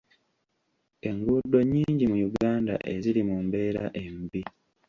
Enguudo nnyingi mu Uganda eziri mu mbeera embi.